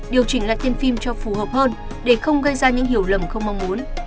điều chỉnh lại tiêm phim cho phù hợp hơn để không gây ra những hiểu lầm không mong muốn